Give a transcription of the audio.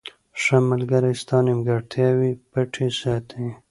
• ښه ملګری ستا نیمګړتیاوې پټې ساتي.